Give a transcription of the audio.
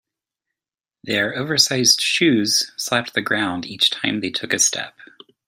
Their oversized shoes slapped the ground each time they took a step.